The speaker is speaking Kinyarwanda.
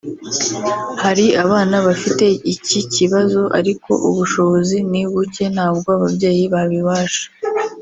Hari abana bafite iki kibazo ariko ubushobozi ni buke ntabwo ababyeyi babibasha